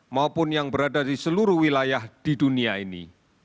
maupun yang berada di seluruh wilayah di dunia ini